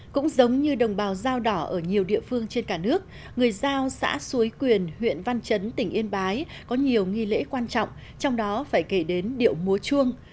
cũng giống như đồng bào dao đỏ ở nhiều địa phương trên cả nước người giao xã suối quyền huyện văn chấn tỉnh yên bái có nhiều nghi lễ quan trọng trong đó phải kể đến điệu múa chuông